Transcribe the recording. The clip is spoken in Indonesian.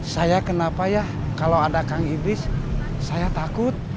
saya kenapa ya kalau ada kang iblis saya takut